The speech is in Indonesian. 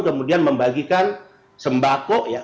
kemudian membagikan sembako ya